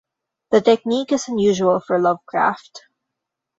The technique is unusual for Lovecraft.